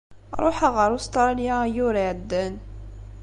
Ṛuḥeɣ ɣer Ustṛalya ayyur iɛeddan.